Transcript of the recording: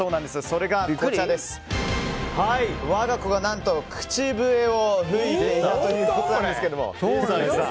それが、我が子が何と口笛を吹いていたということなんですけど。